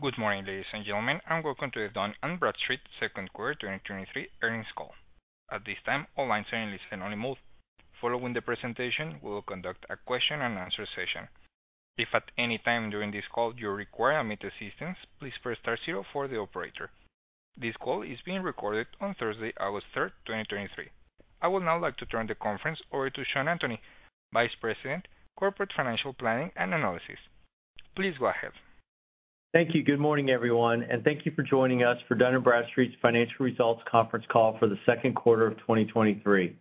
Good morning, ladies and gentlemen, and welcome to the Dun & Bradstreet second quarter 2023 earnings call. At this time, all lines are in listen-only mode. Following the presentation, we will conduct a question-and-answer session. If at any time during this call you require immediate assistance, please press star zero for the operator. This call is being recorded on Thursday, August 3, 2023. I would now like to turn the conference over to Sean Anthony, Vice President, Corporate Financial Planning and Analysis. Please go ahead. Thank you. Good morning, everyone, and thank you for joining us for Dun & Bradstreet's Financial Results Conference Call for the second quarter of 2023.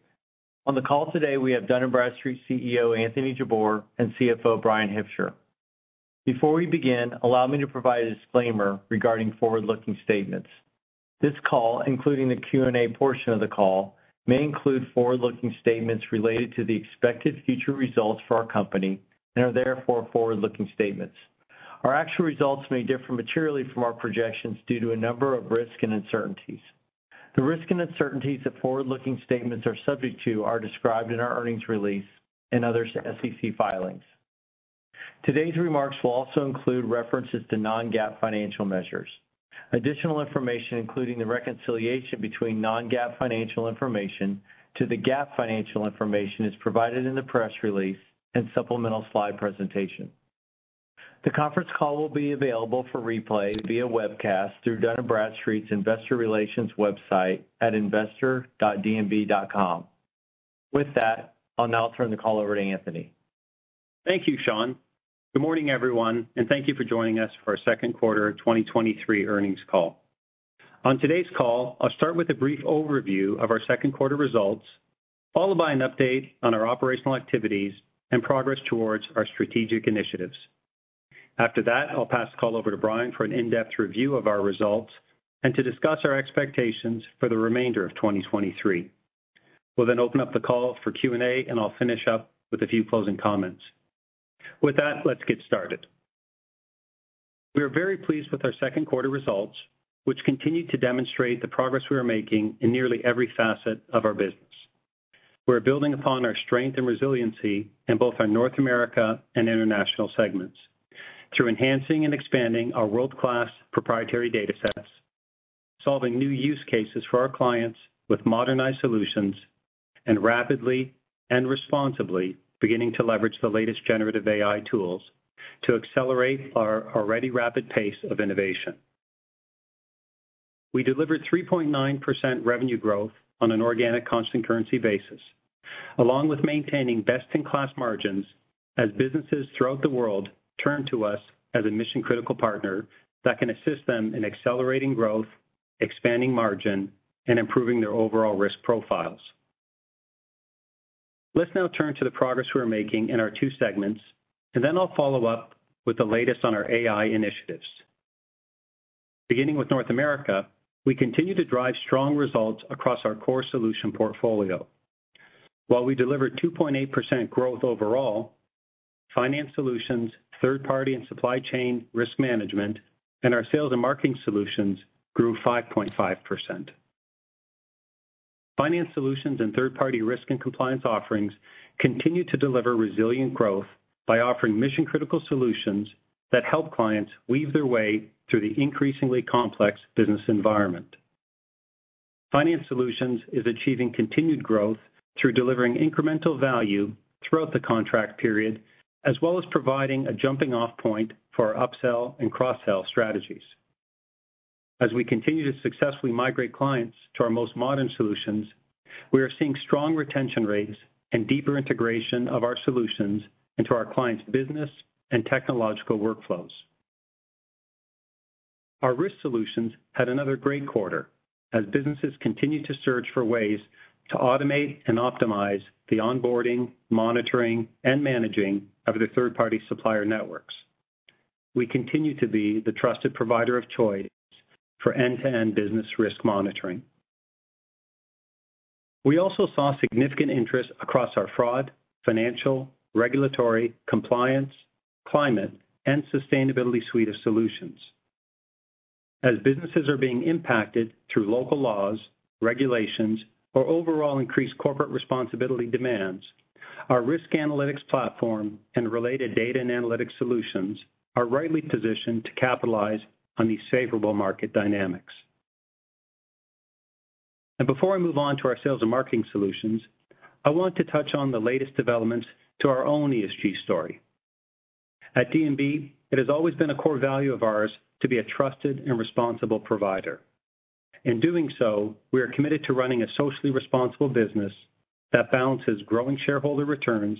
On the call today, we have Dun & Bradstreet CEO, Anthony Jabbour, and CFO, Bryan Hipsher. Before we begin, allow me to provide a disclaimer regarding forward-looking statements. This call, including the Q&A portion of the call, may include forward-looking statements related to the expected future results for our company and are therefore forward-looking statements. Our actual results may differ materially from our projections due to a number of risks and uncertainties. The risks and uncertainties that forward-looking statements are subject to are described in our earnings release and other SEC filings. Today's remarks will also include references to non-GAAP financial measures. Additional information, including the reconciliation between non-GAAP financial information to the GAAP financial information, is provided in the press release and supplemental slide presentation. The conference call will be available for replay via webcast through Dun & Bradstreet's Investor Relations website at investor.dnb.com. With that, I'll now turn the call over to Anthony. Thank you, Sean. Good morning, everyone, and thank you for joining us for our second quarter 2023 earnings call. On today's call, I'll start with a brief overview of our second quarter results, followed by an update on our operational activities and progress towards our strategic initiatives. After that, I'll pass the call over to Bryan for an in-depth review of our results and to discuss our expectations for the remainder of 2023. We'll then open up the call for Q&A, and I'll finish up with a few closing comments. With that, let's get started. We are very pleased with our second quarter results, which continue to demonstrate the progress we are making in nearly every facet of our business. We're building upon our strength and resiliency in both our North America and International segments through enhancing and expanding our world-class proprietary datasets, solving new use cases for our clients with modernized solutions, and rapidly and responsibly beginning to leverage the latest generative AI tools to accelerate our already rapid pace of innovation. We delivered 3.9% revenue growth on an organic constant currency basis, along with maintaining best-in-class margins as businesses throughout the world turn to us as a mission-critical partner that can assist them in accelerating growth, expanding margin, and improving their overall risk profiles. Let's now turn to the progress we're making in our two segments. Then I'll follow up with the latest on our AI initiatives. Beginning with North America, we continue to drive strong results across our core solution portfolio. While we delivered 2.8% growth overall, finance solutions, third-party and supply chain risk management, and our sales and marketing solutions grew 5.5%. Finance solutions and third-party risk and compliance offerings continue to deliver resilient growth by offering mission-critical solutions that help clients weave their way through the increasingly complex business environment. Finance solutions is achieving continued growth through delivering incremental value throughout the contract period, as well as providing a jumping-off point for our upsell and cross-sell strategies. As we continue to successfully migrate clients to our most modern solutions, we are seeing strong retention rates and deeper integration of our solutions into our clients' business and technological workflows. Our risk solutions had another great quarter as businesses continue to search for ways to automate and optimize the onboarding, monitoring, and managing of their third-party supplier networks. We continue to be the trusted provider of choice for end-to-end business risk monitoring. We also saw significant interest across our fraud, financial, regulatory, compliance, climate, and sustainability suite of solutions. As businesses are being impacted through local laws, regulations, or overall increased corporate responsibility demands, our risk analytics platform and related data and analytics solutions are rightly positioned to capitalize on these favorable market dynamics. Before I move on to our sales and marketing solutions, I want to touch on the latest developments to our own ESG story. At D&B, it has always been a core value of ours to be a trusted and responsible provider. In doing so, we are committed to running a socially responsible business that balances growing shareholder returns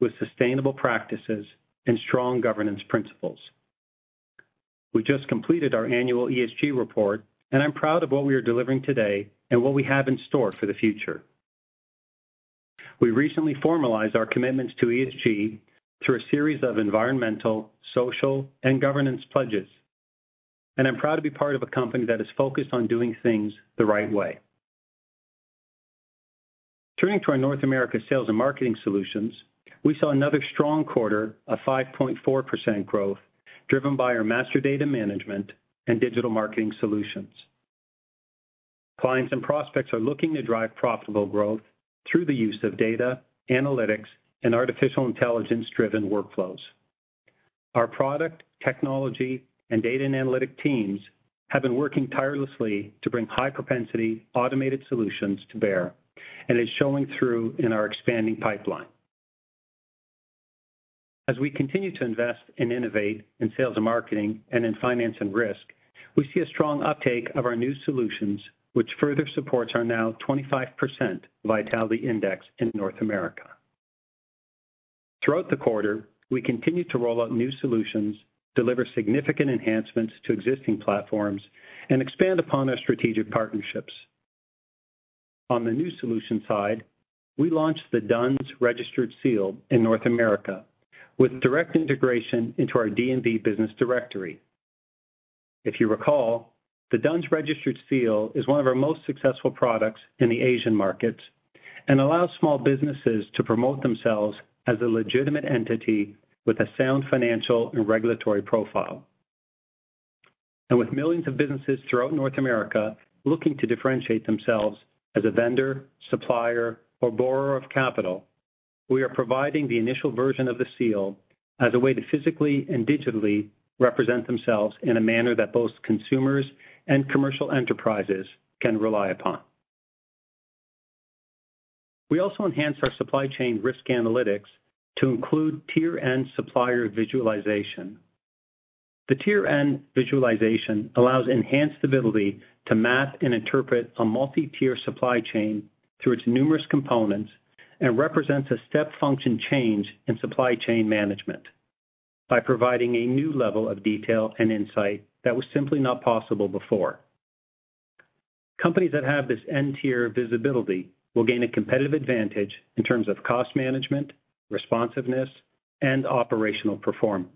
with sustainable practices and strong governance principles. We just completed our annual ESG report, and I'm proud of what we are delivering today and what we have in store for the future. We recently formalized our commitments to ESG through a series of environmental, social, and governance pledges, and I'm proud to be part of a company that is focused on doing things the right way. Turning to our North America sales and marketing solutions, we saw another strong quarter of 5.4% growth, driven by our master data management and digital marketing solutions. Clients and prospects are looking to drive profitable growth through the use of data, analytics, and artificial intelligence-driven workflows. Our product, technology, and data and analytic teams have been working tirelessly to bring high propensity, automated solutions to bear, and it's showing through in our expanding pipeline. As we continue to invest and innovate in sales and marketing and in finance and risk, we see a strong uptake of our new solutions, which further supports our now 25% Vitality Index in North America. Throughout the quarter, we continued to roll out new solutions, deliver significant enhancements to existing platforms, and expand upon our strategic partnerships. On the new solution side, we launched the D-U-N-S Registered Seal in North America, with direct integration into our D&B Business Directory. If you recall, the D-U-N-S Registered Seal is one of our most successful products in the Asian markets, and allows small businesses to promote themselves as a legitimate entity with a sound financial and regulatory profile. With millions of businesses throughout North America looking to differentiate themselves as a vendor, supplier, or borrower of capital, we are providing the initial version of the seal as a way to physically and digitally represent themselves in a manner that both consumers and commercial enterprises can rely upon. We also enhanced our supply chain risk analytics to include Tier-N supplier visualization. The Tier-N visualization allows enhanced ability to map and interpret a multi-tier supply chain through its numerous components, and represents a step function change in supply chain management by providing a new level of detail and insight that was simply not possible before. Companies that have this N-Tier visibility will gain a competitive advantage in terms of cost management, responsiveness, and operational performance.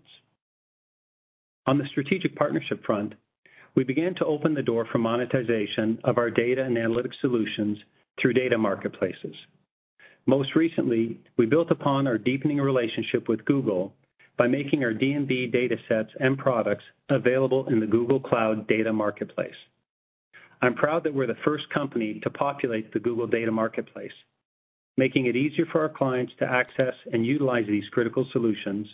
On the strategic partnership front, we began to open the door for monetization of our data and analytics solutions through data marketplaces. Most recently, we built upon our deepening relationship with Google by making our D&B data sets and products available in the Google Cloud Data Marketplace. I'm proud that we're the first company to populate the Google Data Marketplace, making it easier for our clients to access and utilize these critical solutions,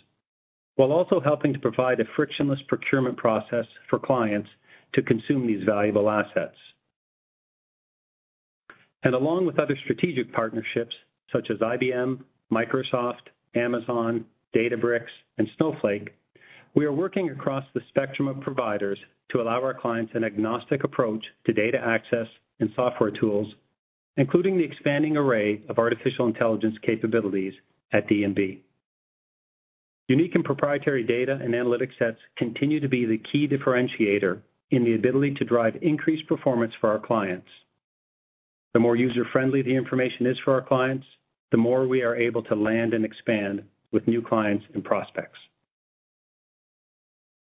while also helping to provide a frictionless procurement process for clients to consume these valuable assets. Along with other strategic partnerships such as IBM, Microsoft, Amazon, Databricks, and Snowflake, we are working across the spectrum of providers to allow our clients an agnostic approach to data access and software tools, including the expanding array of artificial intelligence capabilities at D&B. Unique and proprietary data and analytics sets continue to be the key differentiator in the ability to drive increased performance for our clients. The more user-friendly the information is for our clients, the more we are able to land and expand with new clients and prospects.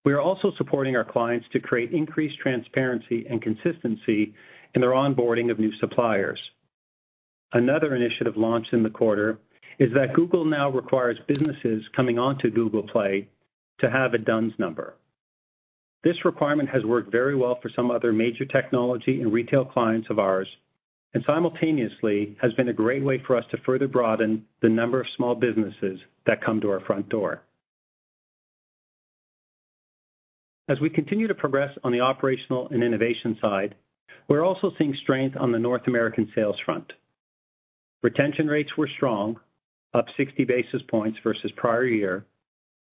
We are also supporting our clients to create increased transparency and consistency in their onboarding of new suppliers. Another initiative launched in the quarter is that Google now requires businesses coming onto Google Play to have a D-U-N-S Number. This requirement has worked very well for some other major technology and retail clients of ours, and simultaneously has been a great way for us to further broaden the number of small businesses that come to our front door. As we continue to progress on the operational and innovation side, we're also seeing strength on the North American sales front. Retention rates were strong, up 60 basis points versus prior year,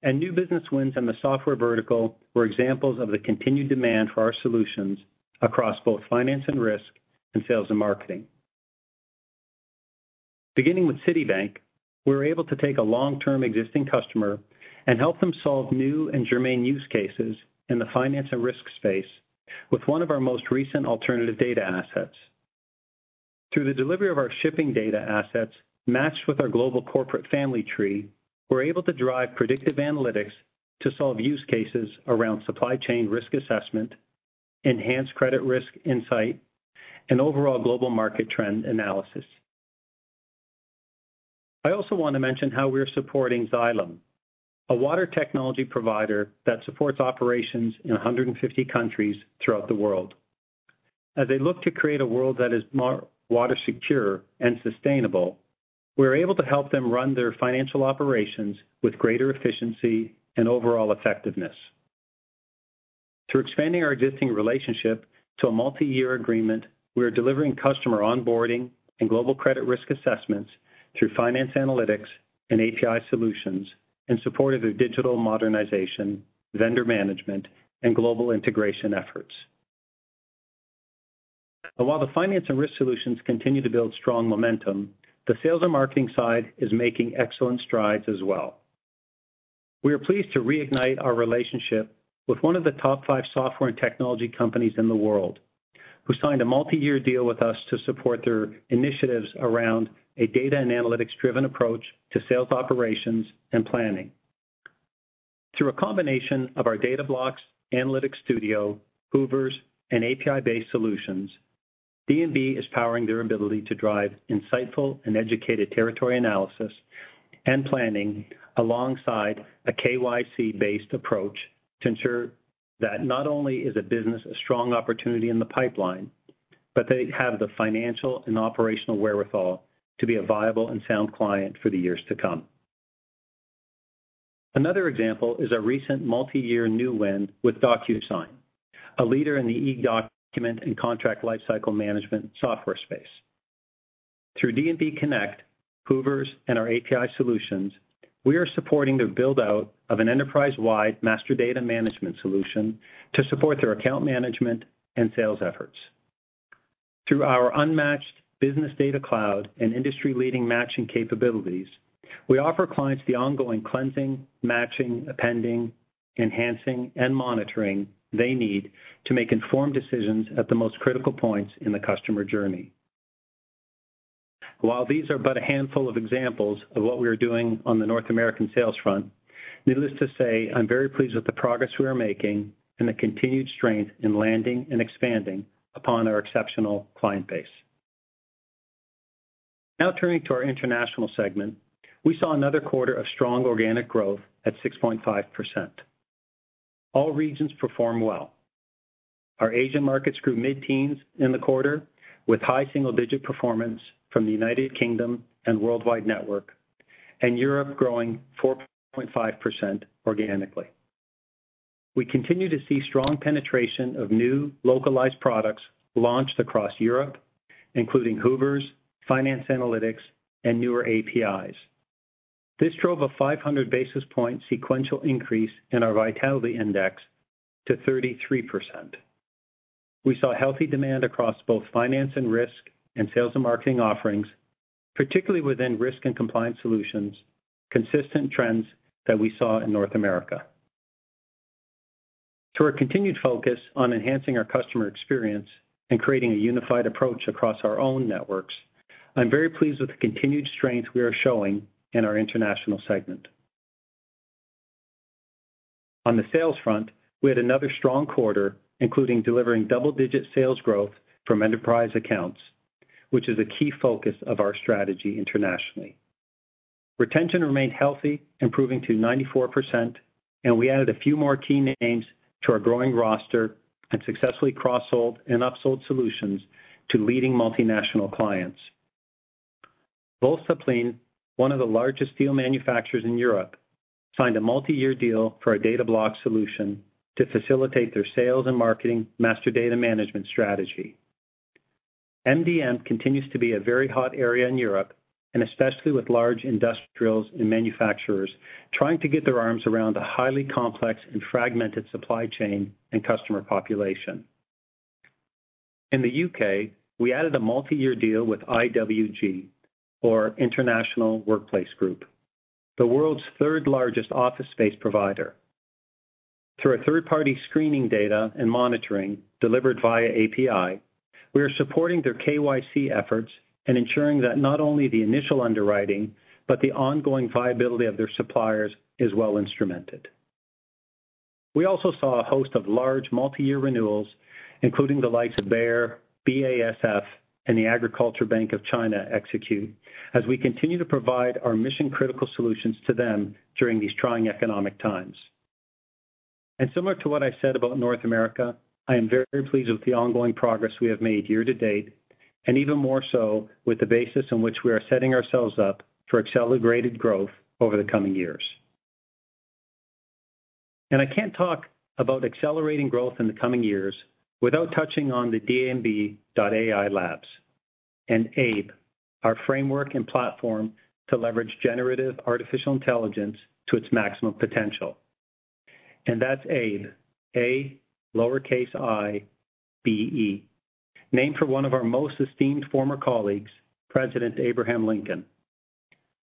and new business wins in the software vertical were examples of the continued demand for our solutions across both finance and risk, and sales and marketing. Beginning with Citibank, we were able to take a long-term existing customer and help them solve new and germane use cases in the finance and risk space with one of our most recent alternative data assets. Through the delivery of our shipping data assets, matched with our global corporate family tree, we're able to drive predictive analytics to solve use cases around supply chain risk assessment, enhanced credit risk insight, and overall global market trend analysis. I also want to mention how we're supporting Xylem, a water technology provider that supports operations in 150 countries throughout the world. As they look to create a world that is more water secure and sustainable, we're able to help them run their financial operations with greater efficiency and overall effectiveness. Through expanding our existing relationship to a multi-year agreement, we are delivering customer onboarding and global credit risk assessments through finance analytics and API solutions in support of their digital modernization, vendor management, and global integration efforts. While the finance and risk solutions continue to build strong momentum, the sales and marketing side is making excellent strides as well. We are pleased to reignite our relationship with one of the top five software and technology companies in the world, who signed a multi-year deal with us to support their initiatives around a data and analytics-driven approach to sales, operations, and planning. Through a combination of our Data Blocks, Analytics Studio, Hoovers, and API-based solutions, D&B is powering their ability to drive insightful and educated territory analysis and planning alongside a KYC-based approach to ensure that not only is a business a strong opportunity in the pipeline, but they have the financial and operational wherewithal to be a viable and sound client for the years to come. Another example is our recent multi-year new win with DocuSign, a leader in the e-document and contract lifecycle management software space. Through D&B Connect, Hoovers, and our API solutions, we are supporting the build-out of an enterprise-wide master data management solution to support their account management and sales efforts. Through our unmatched business data cloud and industry-leading matching capabilities, we offer clients the ongoing cleansing, matching, appending, enhancing, and monitoring they need to make informed decisions at the most critical points in the customer journey. While these are but a handful of examples of what we are doing on the North American sales front, needless to say, I'm very pleased with the progress we are making and the continued strength in landing and expanding upon our exceptional client base. Turning to our international segment, we saw another quarter of strong organic growth at 6.5%. All regions performed well. Our Asian markets grew mid-teens in the quarter, with high single-digit performance from the United Kingdom and Worldwide Network, and Europe growing 4.5% organically. We continue to see strong penetration of new localized products launched across Europe, including Hoovers, Finance Analytics, and newer APIs. This drove a 500 basis point sequential increase in our Vitality Index to 33%. We saw healthy demand across both finance and risk, and sales and marketing offerings, particularly within risk and compliance solutions, consistent trends that we saw in North America. Through our continued focus on enhancing our customer experience and creating a unified approach across our own networks, I'm very pleased with the continued strength we are showing in our international segment. On the sales front, we had another strong quarter, including delivering double-digit sales growth from enterprise accounts, which is a key focus of our strategy internationally. Retention remained healthy, improving to 94%, and we added a few more key names to our growing roster and successfully cross-sold and upsold solutions to leading multinational clients. Voestalpine, one of the largest steel manufacturers in Europe, signed a multi-year deal for our DataBlock solution to facilitate their sales and marketing master data management strategy. MDM continues to be a very hot area in Europe, especially with large industrials and manufacturers trying to get their arms around a highly complex and fragmented supply chain and customer population. In the U.K., we added a multi-year deal with IWG, or International Workplace Group, the world's third largest office space provider. Through our third-party screening data and monitoring delivered via API, we are supporting their KYC efforts and ensuring that not only the initial underwriting but the ongoing viability of their suppliers is well instrumented. We also saw a host of large multi-year renewals, including the likes of Bayer, BASF, and the Agricultural Bank of China execute as we continue to provide our mission-critical solutions to them during these trying economic times. Similar to what I said about North America, I am very pleased with the ongoing progress we have made year to date, and even more so with the basis on which we are setting ourselves up for accelerated growth over the coming years. I can't talk about accelerating growth in the coming years without touching on the D&B.AI Labs and AiBE, our framework and platform to leverage generative artificial intelligence to its maximum potential. That's AiBE, A, lowercase I, B-E, named for one of our most esteemed former colleagues, President Abraham Lincoln.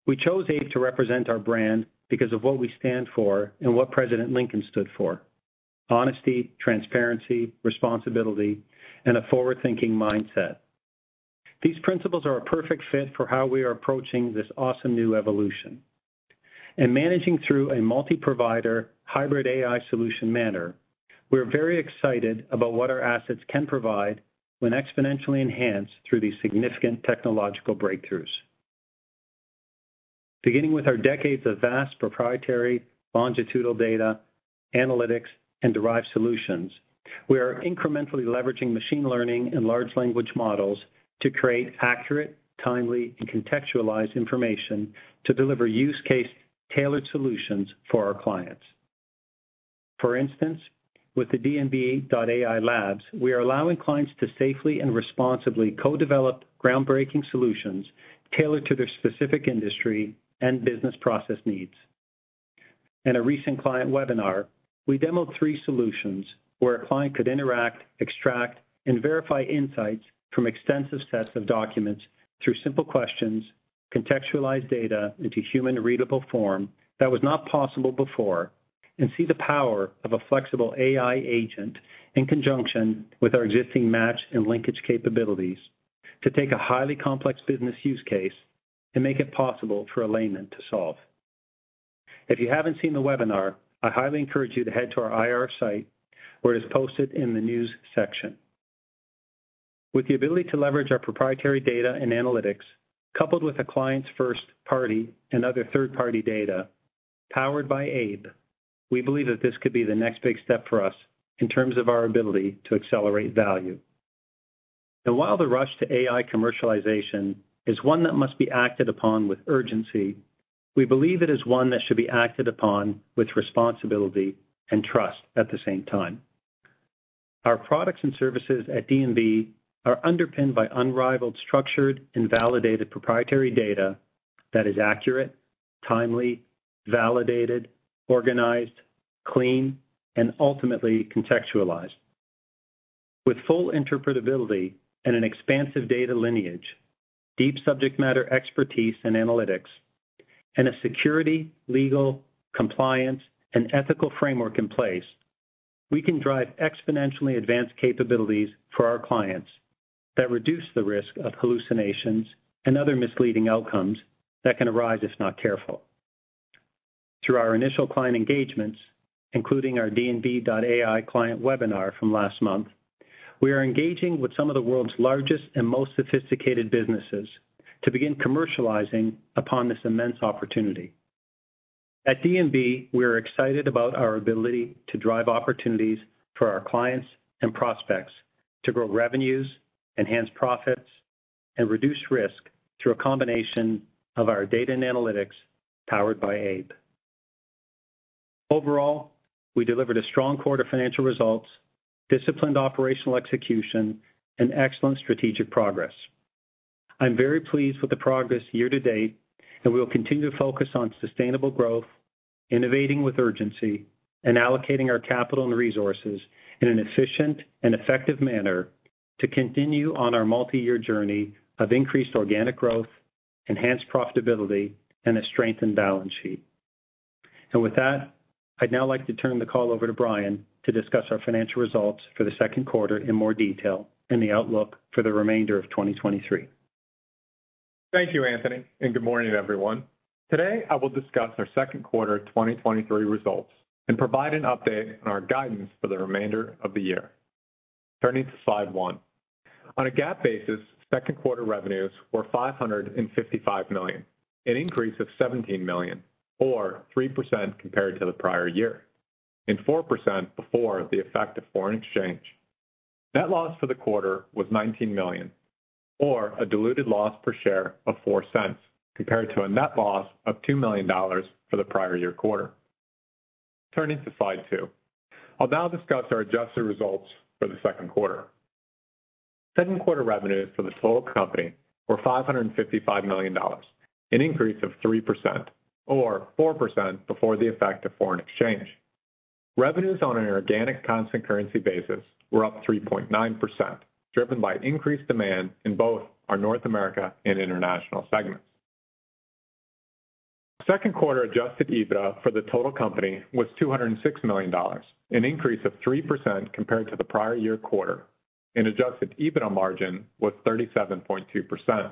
We chose AiBE to represent our brand because of what we stand for and what President Lincoln stood for: honesty, transparency, responsibility, and a forward-thinking mindset. These principles are a perfect fit for how we are approaching this awesome new evolution. Managing through a multi-provider, hybrid AI solution manner, we're very excited about what our assets can provide when exponentially enhanced through these significant technological breakthroughs. Beginning with our decades of vast proprietary, longitudinal data, analytics, and derived solutions, we are incrementally leveraging machine learning and large language models to create accurate, timely, and contextualized information to deliver use case-tailored solutions for our clients. For instance, with the D&B.AI Labs, we are allowing clients to safely and responsibly co-develop groundbreaking solutions tailored to their specific industry and business process needs. In a recent client webinar, we demoed three solutions where a client could interact, extract, and verify insights from extensive sets of documents through simple questions, contextualize data into human-readable form that was not possible before, and see the power of a flexible AI agent in conjunction with our existing match and linkage capabilities to take a highly complex business use case and make it possible for a layman to solve. If you haven't seen the webinar, I highly encourage you to head to our IR site, where it's posted in the news section. With the ability to leverage our proprietary data and analytics, coupled with a client's first party and other third-party data, powered by AiBE, we believe that this could be the next big step for us in terms of our ability to accelerate value. While the rush to AI commercialization is one that must be acted upon with urgency, we believe it is one that should be acted upon with responsibility and trust at the same time. Our products and services at D&B are underpinned by unrivaled, structured, and validated proprietary data that is accurate, timely, validated, organized, clean, and ultimately contextualized. With full interpretability and an expansive data lineage, deep subject matter expertise and analytics, and a security, legal, compliance, and ethical framework in place, we can drive exponentially advanced capabilities for our clients that reduce the risk of hallucinations and other misleading outcomes that can arise if not careful. Through our initial client engagements, including our D&B.ai client webinar from last month, we are engaging with some of the world's largest and most sophisticated businesses to begin commercializing upon this immense opportunity. At D&B, we are excited about our ability to drive opportunities for our clients and prospects to grow revenues, enhance profits, and reduce risk through a combination of our data and analytics powered by AiBE. Overall, we delivered a strong quarter financial results, disciplined operational execution, and excellent strategic progress. I'm very pleased with the progress year-to-date. We will continue to focus on sustainable growth, innovating with urgency, and allocating our capital and resources in an efficient and effective manner to continue on our multi-year journey of increased organic growth, enhanced profitability, and a strengthened balance sheet. With that, I'd now like to turn the call over to Bryan to discuss our financial results for the second quarter in more detail and the outlook for the remainder of 2023. Thank you, Anthony, good morning, everyone. Today, I will discuss our second quarter 2023 results and provide an update on our guidance for the remainder of the year. Turning to slide one. On a GAAP basis, second quarter revenues were $555 million, an increase of $17 million, or 3% compared to the prior year, and 4% before the effect of foreign exchange. Net loss for the quarter was $19 million, or a diluted loss per share of $0.04, compared to a net loss of $2 million for the prior year quarter. Turning to slide two. I'll now discuss our adjusted results for the second quarter. Second quarter revenues for the total company were $555 million, an increase of 3% or 4% before the effect of foreign exchange. Revenues on an organic constant currency basis were up 3.9%, driven by increased demand in both our North America and international segments. Second quarter adjusted EBITDA for the total company was $206 million, an increase of 3% compared to the prior year quarter, and adjusted EBITDA margin was 37.2%.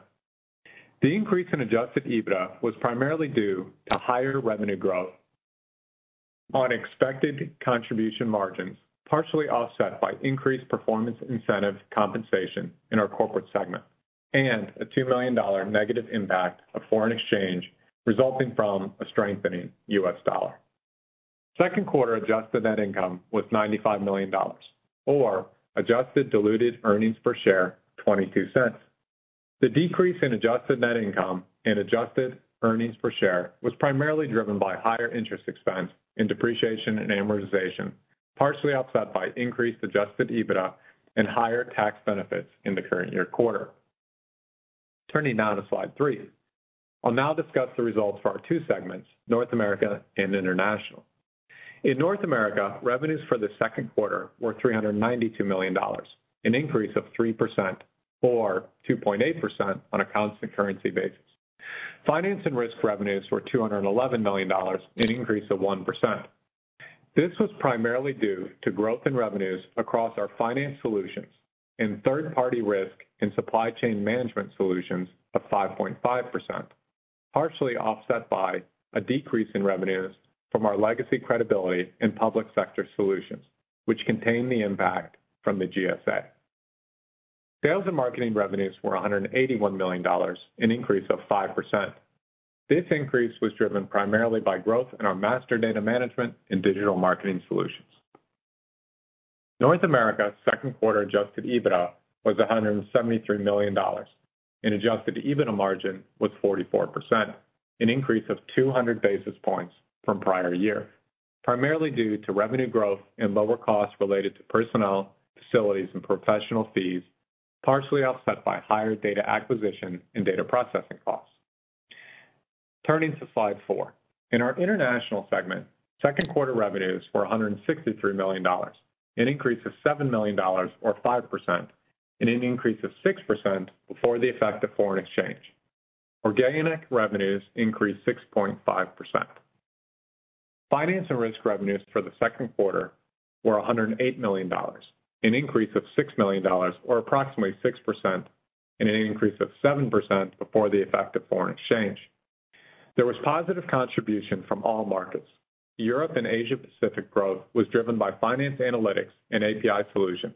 The increase in adjusted EBITDA was primarily due to higher revenue growth on expected contribution margins, partially offset by increased performance incentive compensation in our corporate segment, and a $2 million negative impact of foreign exchange resulting from a strengthening U.S. dollar. Second quarter adjusted net income was $95 million, or adjusted diluted earnings per share, $0.22. The decrease in adjusted net income and adjusted earnings per share was primarily driven by higher interest expense and depreciation and amortization, partially offset by increased adjusted EBITDA and higher tax benefits in the current year quarter. Turning now to slide three. I'll now discuss the results for our two segments, North America and International. In North America, revenues for the second quarter were $392 million, an increase of 3% or 2.8% on a constant currency basis. Finance and risk revenues were $211 million, an increase of 1%. This was primarily due to growth in revenues across our finance solutions and third-party risk and supply chain management solutions of 5.5%, partially offset by a decrease in revenues from our legacy credibility and public sector solutions, which contain the impact from the GSA. Sales and marketing revenues were $181 million, an increase of 5%. This increase was driven primarily by growth in our master data management and digital marketing solutions. North America's second quarter adjusted EBITDA was $173 million, and adjusted EBITDA margin was 44%, an increase of 200 basis points from prior year, primarily due to revenue growth and lower costs related to personnel, facilities, and professional fees, partially offset by higher data acquisition and data processing costs. Turning to slide four. In our international segment, second quarter revenues were $163 million, an increase of $7 million or 5%, and an increase of 6% before the effect of foreign exchange, where organic revenues increased 6.5%. Finance and risk revenues for the second quarter were $108 million, an increase of $6 million, or approximately 6%, and an increase of 7% before the effect of foreign exchange. There was positive contribution from all markets. Europe and Asia Pacific growth was driven by finance, analytics, and API solutions.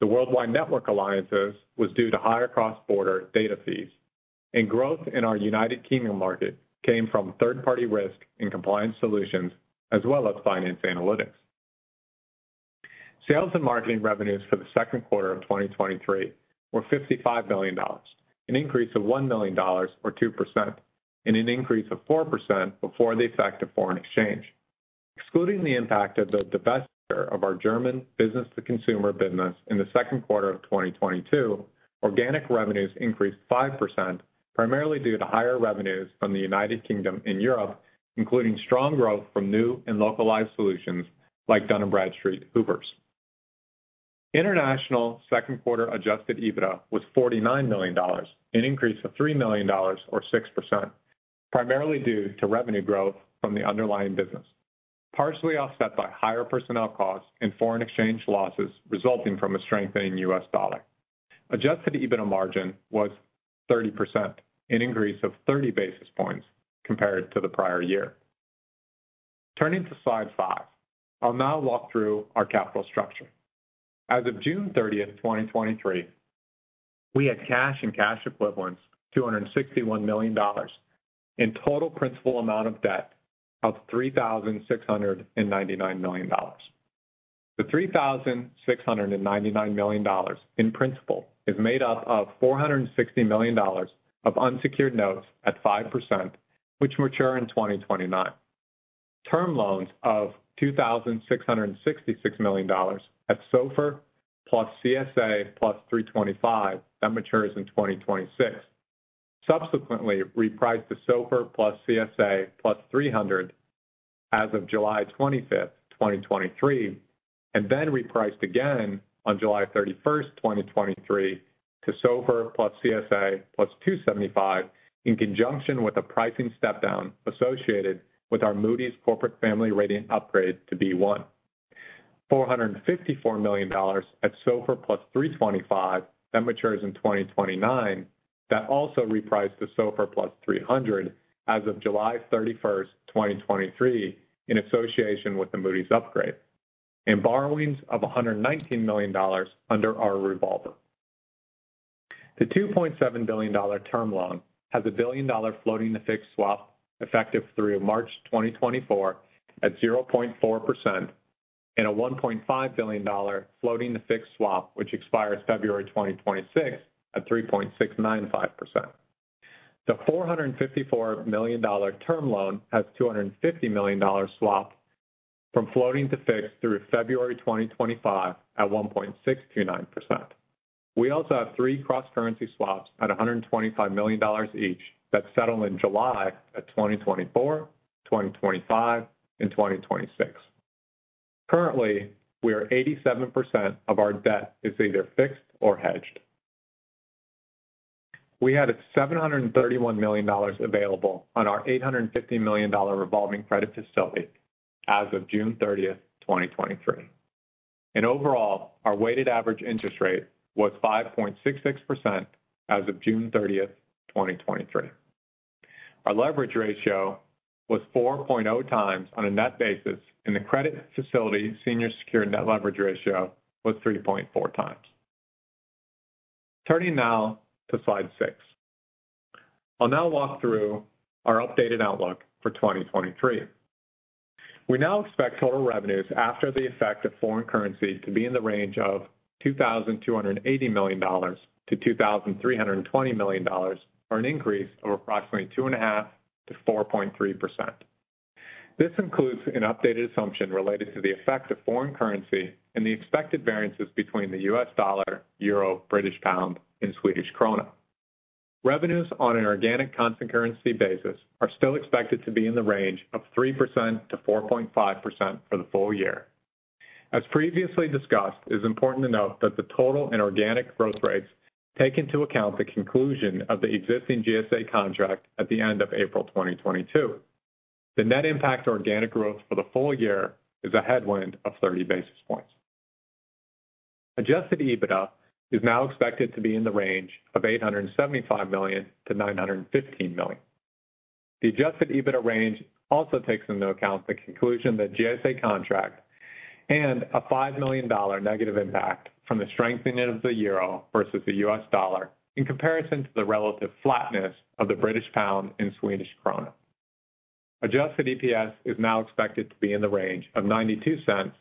The Worldwide Network alliances was due to higher cross-border data fees, and growth in our United Kingdom market came from third-party risk and compliance solutions, as well as finance analytics. Sales and marketing revenues for the second quarter of 2023 were $55 million, an increase of $1 million or 2%, and an increase of 4% before the effect of foreign exchange. Excluding the impact of the divestiture of our German business to consumer business in the second quarter of 2022, organic revenues increased 5%, primarily due to higher revenues from the United Kingdom and Europe, including strong growth from new and localized solutions like Dun & Bradstreet Hoovers. International second quarter adjusted EBITDA was $49 million, an increase of $3 million or 6%, primarily due to revenue growth from the underlying business, partially offset by higher personnel costs and foreign exchange losses resulting from a strengthening U.S. dollar. Adjusted EBITDA margin was 30%, an increase of 30 basis points compared to the prior year. Turning to slide five. I'll now walk through our capital structure. As of June 30, 2023, we had cash and cash equivalents, $261 million, and total principal amount of debt of $3,699 million. The $3,699 million in principal is made up of $460 million of unsecured notes at 5%, which mature in 2029. Term loans of $2,666 million at SOFR + CSA + 325, that matures in 2026. Subsequently, repriced to SOFR + CSA + 300 as of July 25, 2023, and then repriced again on July 31, 2023, to SOFR + CSA + 275, in conjunction with a pricing step down associated with our Moody's Corporate Family Rating upgrade to B1. $454 million at SOFR plus 325, that matures in 2029. That also repriced to SOFR plus 300 as of July 31, 2023, in association with the Moody's upgrade, and borrowings of $119 million under our revolver. The $2.7 billion term loan has a $1 billion floating to fixed swap, effective through March 2024 at 0.4%, and a $1.5 billion floating to fixed swap, which expires February 2026 at 3.695%. The $454 million term loan has $250 million swap from floating to fixed through February 2025 at 1.629%. We also have three cross-currency swaps at $125 million each that settle in July of 2024, 2025, and 2026. Currently, we are 87% of our debt is either fixed or hedged. We had $731 million available on our $850 million revolving credit facility as of June 30th, 2023. Overall, our weighted average interest rate was 5.66% as of June 30th, 2023. Our leverage ratio was 4x on a net basis, and the credit facility senior secured net leverage ratio was 3.4x. Turning now to slide six. I'll now walk through our updated outlook for 2023. We now expect total revenues after the effect of foreign currency, to be in the range of $2,280 million-$2,320 million, or an increase of approximately 2.5%-4.3%. This includes an updated assumption related to the effect of foreign currency and the expected variances between the U.S. dollar, euro, British pound, and Swedish krona. Revenues on an organic constant currency basis are still expected to be in the range of 3%-4.5% for the full year. As previously discussed, it is important to note that the total and organic growth rates take into account the conclusion of the existing GSA contract at the end of April 2022. The net impact to organic growth for the full year is a headwind of 30 basis points. Adjusted EBITDA is now expected to be in the range of $875 million-$915 million. The adjusted EBITDA range also takes into account the conclusion of the GSA contract and a $5 million negative impact from the strengthening of the euro versus the U.S. dollar in comparison to the relative flatness of the British pound and Swedish krona. Adjusted EPS is now expected to be in the range of $0.92-$1.01.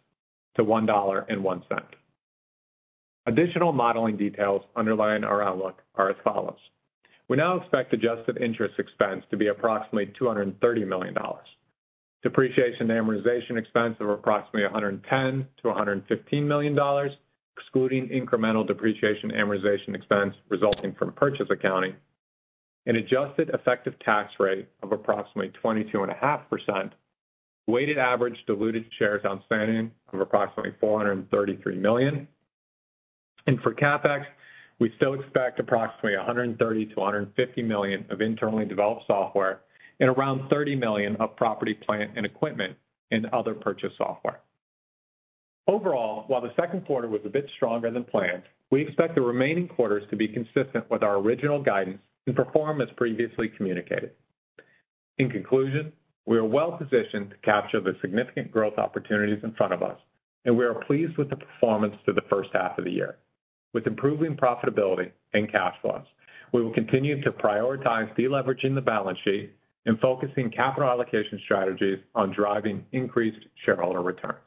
Additional modeling details underlying our outlook are as follows: We now expect adjusted interest expense to be approximately $230 million. Depreciation and amortization expense of approximately $110 million-$115 million, excluding incremental depreciation and amortization expense resulting from purchase accounting. An adjusted effective tax rate of approximately 22.5%. Weighted average diluted shares outstanding of approximately 433 million. For CapEx, we still expect approximately $130 million-$150 million of internally developed software and around $30 million of property, plant, and equipment and other purchase software. Overall, while the second quarter was a bit stronger than planned, we expect the remaining quarters to be consistent with our original guidance and perform as previously communicated. In conclusion, we are well positioned to capture the significant growth opportunities in front of us, and we are pleased with the performance for the first half of the year. With improving profitability and cash flows, we will continue to prioritize deleveraging the balance sheet and focusing capital allocation strategies on driving increased shareholder returns.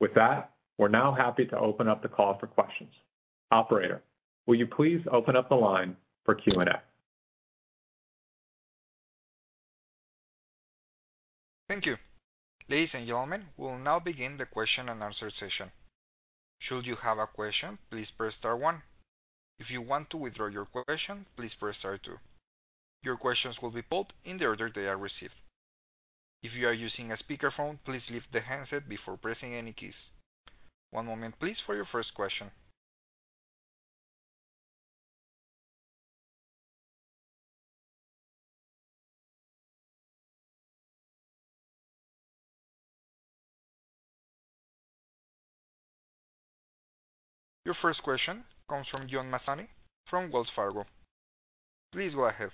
With that, we're now happy to open up the call for questions. Operator, will you please open up the line for Q&A? Thank you. Ladies and gentlemen, we will now begin the question and answer session. Should you have a question, please press star one. If you want to withdraw your question, please press star two. Your questions will be pulled in the order they are received. If you are using a speakerphone, please lift the handset before pressing any keys. One moment, please, for your first question. Your first question comes from John Mazzoni, from Wells Fargo. Please go ahead.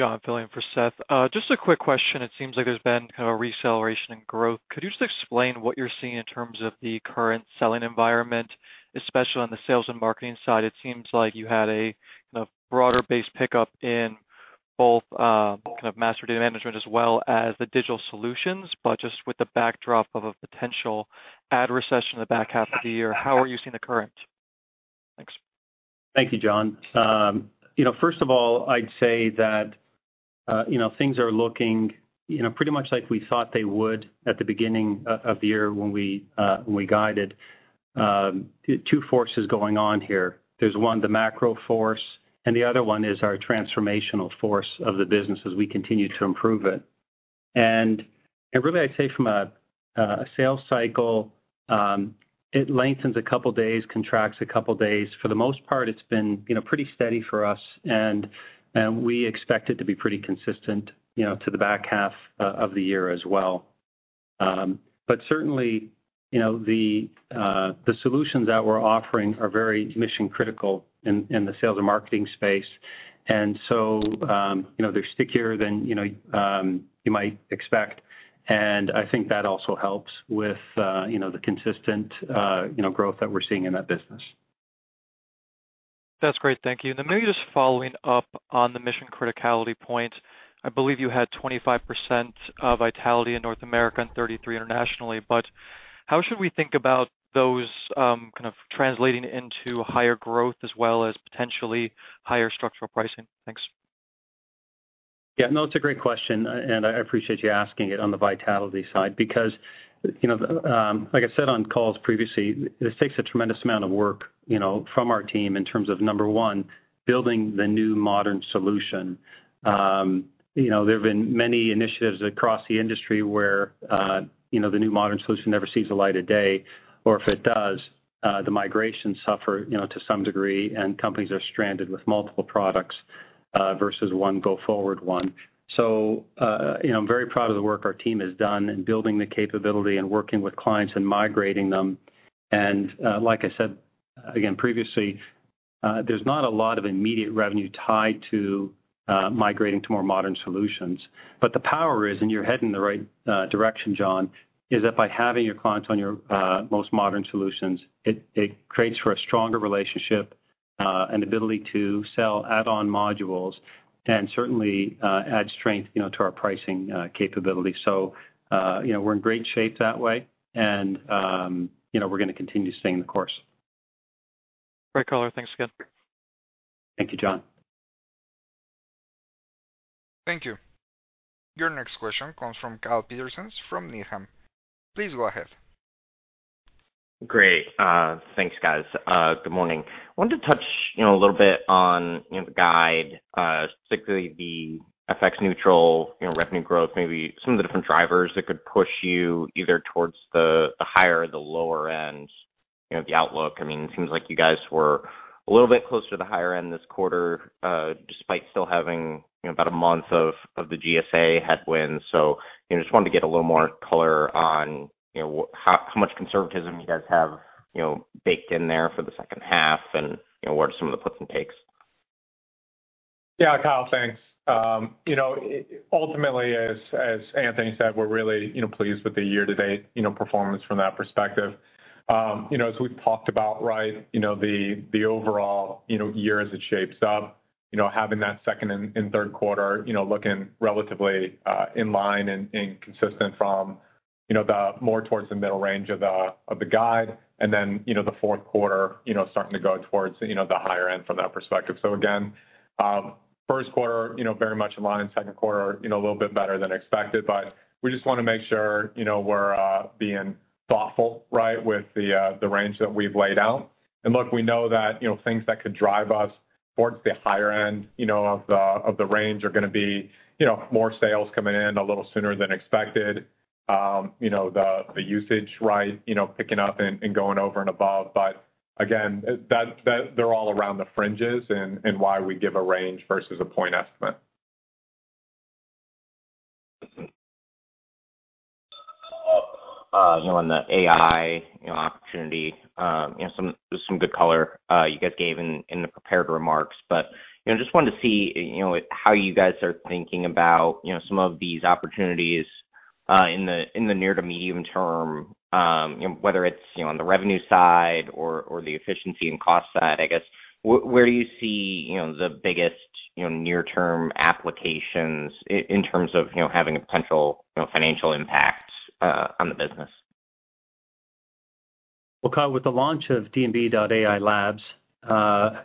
John filling in for Seth. Just a quick question. It seems like there's been a reacceleration in growth. Could you just explain what you're seeing in terms of the current selling environment, especially on the sales and marketing side? It seems like you had a, kind of broader base pickup in both, kind of master data management as well as the digital solutions, but just with the backdrop of a potential ad recession in the back half of the year, how are you seeing the current? Thanks. Thank you, John. You know, first of all, I'd say that, you know, things are looking, you know, pretty much like we thought they would at the beginning of the year when we guided. Two forces going on here. There's one, the macro force, and the other one is our transformational force of the business as we continue to improve it. And really, I'd say from a sales cycle, it lengthens a couple of days, contracts a couple of days. For the most part, it's been, you know, pretty steady for us, and, and we expect it to be pretty consistent, you know, to the back half of the year as well. Certainly, you know, the solutions that we're offering are very mission-critical in, in the sales and marketing space. So, you know, they're stickier than, you know, you might expect, and I think that also helps with, you know, the consistent, you know, growth that we're seeing in that business. That's great. Thank you. Then maybe just following up on the mission criticality point, I believe you had 25% of vitality in North America and 33% internationally, but how should we think about those kind of translating into higher growth as well as potentially higher structural pricing? Thanks. Yeah, no, it's a great question, and I appreciate you asking it on the vitality side, because, you know, like I said on calls previously, this takes a tremendous amount of work, you know, from our team in terms of, number one, building the new modern solution. You know, there have been many initiatives across the industry where, you know, the new modern solution never sees the light of day, or if it does, the migration suffer, you know, to some degree, and companies are stranded with multiple products, versus one go forward one. You know, I'm very proud of the work our team has done in building the capability and working with clients and migrating them. Like I said, again, previously, there's not a lot of immediate revenue tied to migrating to more modern solutions. The power is, and you're heading in the right direction, John, is that by having your clients on your most modern solutions, it creates for a stronger relationship, and ability to sell add-on modules, and certainly, add strength, you know, to our pricing capability. You know, we're in great shape that way, and, you know, we're gonna continue staying the course. Great color. Thanks again. Thank you, John. Thank you. Your next question comes from Kyle Peterson, from Needham. Please go ahead. Great. Thanks, guys. Good morning. Wanted to touch, you know, a little bit on, you know, the guide, specifically the FX neutral, you know, revenue growth, maybe some of the different drivers that could push you either towards the, the higher or the lower end, you know, the outlook. I mean, it seems like you guys were a little bit closer to the higher end this quarter, despite still having, you know, about a month of, of the GSA headwinds. Just wanted to get a little more color on, you know, how much conservatism you guys have, you know, baked in there for the second half, and, you know, what are some of the puts and takes? Yeah, Kyle, thanks. You know, ultimately, as, as Anthony said, we're really, you know, pleased with the year-to-date, you know, performance from that perspective. You know, as we've talked about, right, you know, the, the overall, you know, year as it shapes up, you know, having that second and, and third quarter, you know, looking relatively in line and, and consistent from, you know, the more towards the middle range of the, of the guide, and then, you know, the fourth quarter, you know, starting to go towards, you know, the higher end from that perspective. Again, first quarter, you know, very much in line, second quarter, you know, a little bit better than expected, but we just wanna make sure, you know, we're being thoughtful, right, with the range that we've laid out. Look, we know that, you know, things that could drive us towards the higher end, you know, of the, of the range are gonna be, you know, more sales coming in a little sooner than expected. You know, the, the usage, right, you know, picking up and, and going over and above. Again, that, that they're all around the fringes and, and why we give a range versus a point estimate. You know, on the AI, you know, opportunity, you know, some, some good color, you guys gave in, in the prepared remarks. You know, just wanted to see, you know, how you guys are thinking about, you know, some of these opportunities in the near to medium term, you know, whether it's, you know, on the revenue side or, or the efficiency and cost side. I guess, where, where do you see, you know, the biggest, you know, near-term applications in terms of, you know, having a potential, you know, financial impact on the business? Well, Kyle, with the launch of D&B.AI Labs,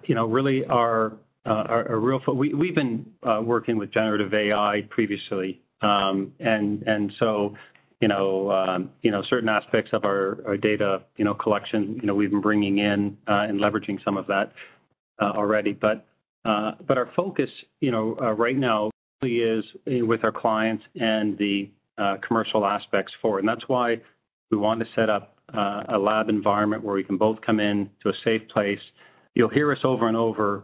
you know, really our, our, our real We, we've been working with generative AI previously. You know, you know, certain aspects of our, our data, you know, collection, you know, we've been bringing in and leveraging some of that already. Our focus, you know, right now really is with our clients and the commercial aspects for it. That's why we want to set up a lab environment where we can both come in to a safe place. You'll hear us over and over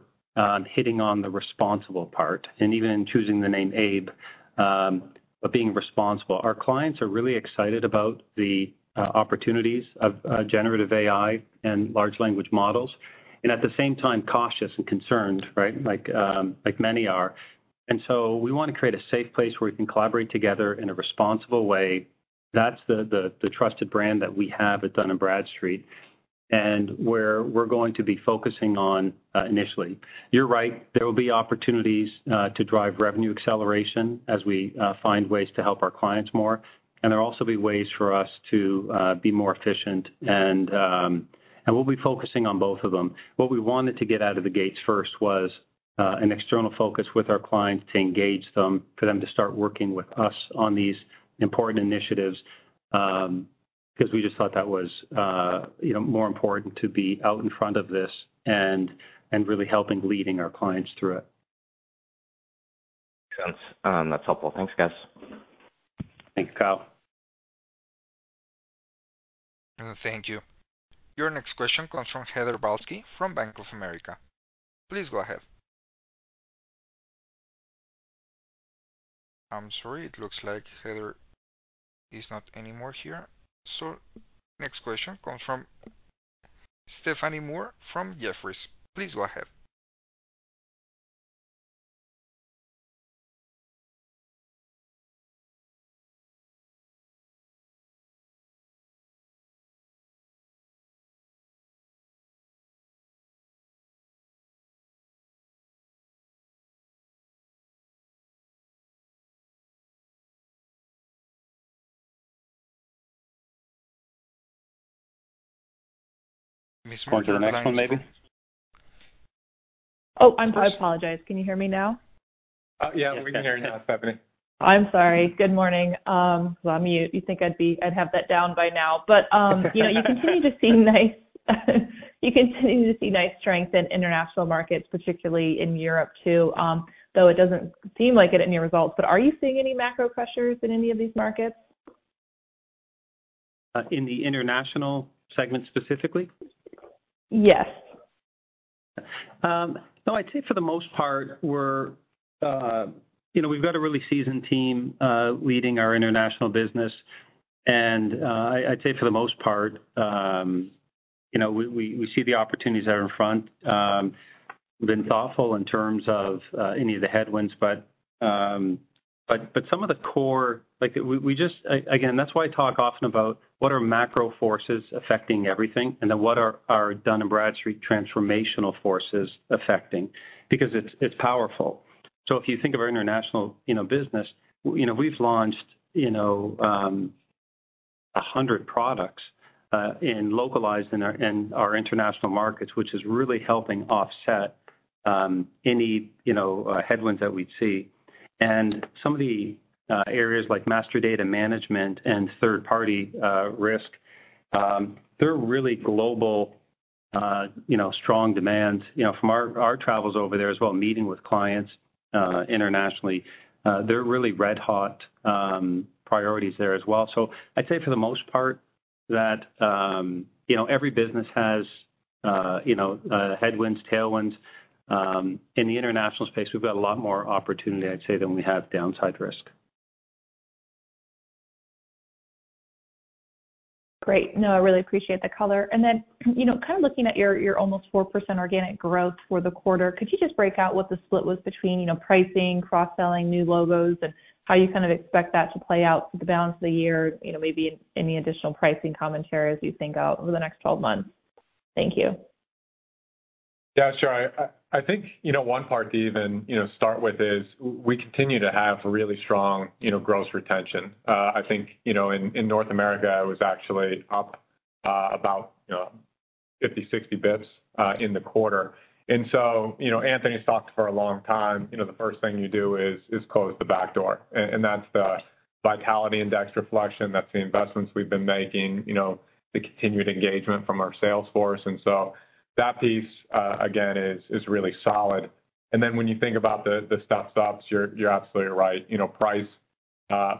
hitting on the responsible part, and even in choosing the name AiBE, but being responsible. Our clients are really excited about the opportunities of generative AI and large language models, and at the same time, cautious and concerned, right? Like, like many are. So we want to create a safe place where we can collaborate together in a responsible way. That's the, the, the trusted brand that we have at Dun & Bradstreet, and where we're going to be focusing on initially. You're right, there will be opportunities to drive revenue acceleration as we find ways to help our clients more, and there'll also be ways for us to be more efficient and, and we'll be focusing on both of them. What we wanted to get out of the gates first was an external focus with our clients to engage them, for them to start working with us on these important initiatives, because we just thought that was, you know, more important to be out in front of this and, and really helping leading our clients through it. Makes sense. That's helpful. Thanks, guys. Thank you, Kyle. Thank you. Your next question comes from Heather Balsky from Bank of America. Please go ahead. I'm sorry, it looks like Heather is not anymore here. Next question comes from Stephanie Moore from Jefferies. Please go ahead. Let me scroll to the next one, maybe. Oh, I'm sorry. I apologize. Can you hear me now? Yeah, we can hear you now, Stephanie. I'm sorry. Good morning. I'm on mute. You think I'd have that down by now. You know, you continue to see nice, you continue to see nice strength in international markets, particularly in Europe, too, though it doesn't seem like it in your results. Are you seeing any macro pressures in any of these markets? In the international segment, specifically? Yes. No, I'd say for the most part, we're, you know, we've got a really seasoned team leading our international business, and I, I'd say for the most part, you know, we, we, we see the opportunities that are in front. We've been thoughtful in terms of any of the headwinds, but, but, but some of the core. Like, we, we just, again, that's why I talk often about what are macro forces affecting everything, and then what are our Dun & Bradstreet transformational forces affecting? Because it's, it's powerful. If you think of our international, you know, business, you know, we've launched, you know, 100 products and localized in our, in our international markets, which is really helping offset any, you know, headwinds that we'd see. Some of the areas like master data management and third-party risk, they're really global, you know, strong demand. You know, from our travels over there as well, meeting with clients internationally, they're really red-hot priorities there as well. I'd say for the most part, that, you know, every business has, you know, headwinds, tailwinds. In the international space, we've got a lot more opportunity, I'd say, than we have downside risk. Great. No, I really appreciate the color. Then, you know, kind of looking at your, your almost 4% organic growth for the quarter, could you just break out what the split was between, you know, pricing, cross-selling, new logos, and how you kind of expect that to play out for the balance of the year, you know, maybe any additional pricing commentary as you think out over the next 12 months? Thank you. Yeah, sure. I, I, I think, you know, one part to even, you know, start with is we continue to have really strong, you know, gross retention. I think, you know, in, in North America, it was actually up, about, you know, 50, 60 bits, in the quarter. So, you know, Anthony's talked for a long time, you know, the first thing you do is, is close the back door, and, and that's the Vitality Index reflection. That's the investments we've been making, you know, the continued engagement from our sales force. So that piece, again, is, is really solid. When you think about the, the stuff stops, you're, you're absolutely right. You know, price,